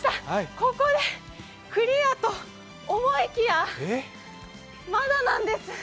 ここでクリアと思いきや、まだなんです。